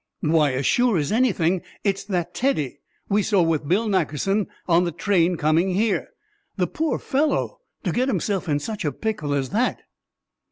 "Why, as sure as anything it's that Teddy we saw with Bill Nackerson on the train coming here! The poor fellow, to get himself in such a pickle as that!"